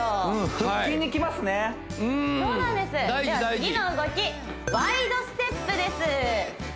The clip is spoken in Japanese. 次の動きワイドステップです